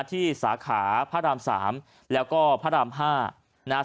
ที่สาขาพระราม๓แล้วก็พระราม๕